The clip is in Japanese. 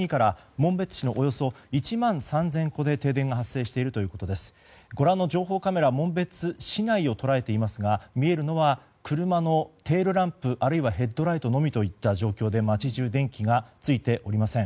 紋別市内を捉えていますが見えるのは車のテールランプあるいはヘッドライトのみといった状況で街中、電気がついていません。